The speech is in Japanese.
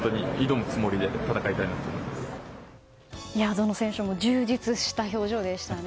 どの選手も充実した表情でしたね。